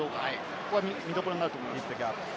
ここが見どころになると思います。